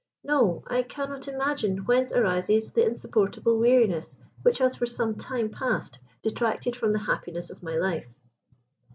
No! I cannot imagine whence arises the insupportable weariness which has for some time past detracted from the happiness of my life."